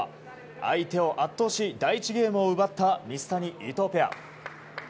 相手を圧倒し第１ゲームを奪った水谷、伊藤ペア。